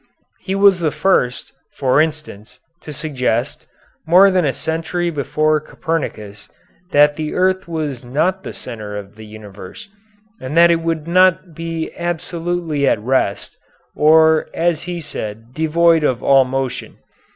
He was the first, for instance, to suggest, more than a century before Copernicus, that the earth was not the centre of the universe, and that it would not be absolutely at rest or, as he said, devoid of all motion.